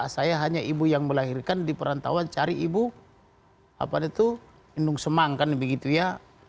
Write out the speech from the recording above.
saya hanya ibu yang melahirkan di perantauan cari ibu indung semang kan begitu ya